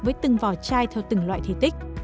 với từng vỏ chai theo từng loại thể tích